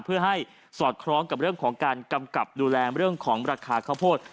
เพื่อให้สอดคล้องกับเรื่องของการกำกับดูแลเรื่องของราคาข้าวโพด